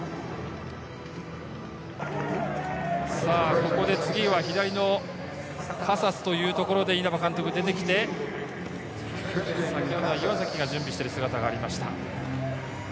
ここで次は左のカサスというところで、稲葉監督出てきて岩崎が準備している姿がありました。